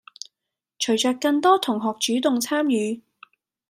隨著更多同學主動參與